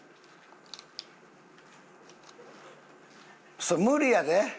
それ無理やで。